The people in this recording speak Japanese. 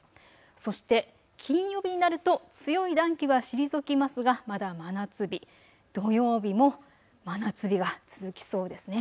そして金曜日になると強い暖気は退きますがまだ真夏日、土曜日も真夏日が続きそうですね。